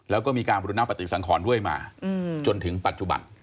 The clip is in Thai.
แล้วก็มีการบุรณปฏิสังขรด้วยมาจนถึงปัจจุบัน